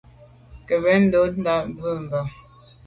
Nkeb ntôndà bwe mbà.